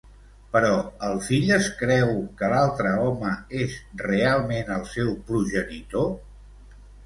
Però el fill es creu que l'altre home és realment el seu progenitor?